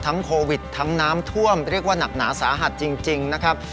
โควิดทั้งน้ำท่วมเรียกว่าหนักหนาสาหัสจริงนะครับ